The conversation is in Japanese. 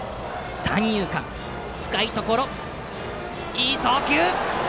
いい送球！